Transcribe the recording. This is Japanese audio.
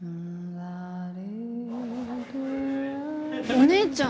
お姉ちゃん。